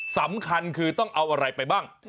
สำคัญคือต้องเอาอะไรไปบ้าง